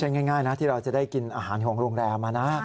ง่ายนะที่เราจะได้กินอาหารของโรงแรมนะ